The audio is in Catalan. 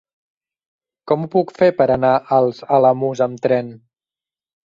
Com ho puc fer per anar als Alamús amb tren?